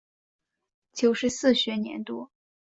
九十四学年度